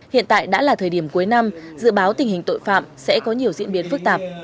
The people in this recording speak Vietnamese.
hiện tại đã là thời điểm cuối năm dự báo tình hình tội phạm sẽ có nhiều diễn biến phức tạp